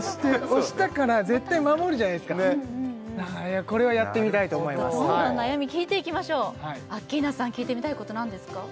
押したから絶対守るじゃないですかだからこれはやってみたいと思いますどんどん悩み聞いていきましょうアッキーナさん聞いてみたいこと何ですか？